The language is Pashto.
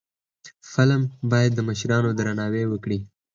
فلم باید د مشرانو درناوی وکړي